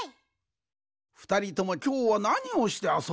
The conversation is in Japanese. ふたりともきょうはなにをしてあそんでいたんじゃ？